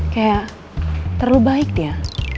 kayak terlalu baik dia